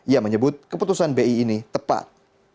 ia menyebut keputusan bi ini tepat